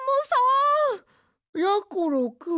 やころくん！